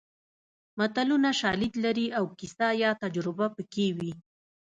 متلونه شالید لري او کیسه یا تجربه پکې وي